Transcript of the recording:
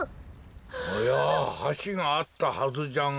おやはしがあったはずじゃが。